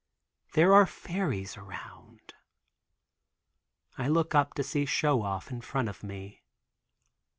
There are fairies around. I look up to see Show Off in front of me.